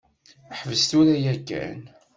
Ḥbes tura yakan.